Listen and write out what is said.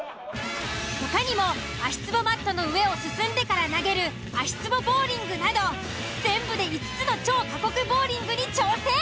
他にも足つぼマットの上を進んでから投げる全部で５つの超過酷ボウリングに挑戦。